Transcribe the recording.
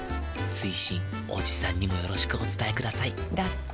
追伸おじさんにもよろしくお伝えくださいだって。